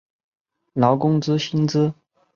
劳工之薪资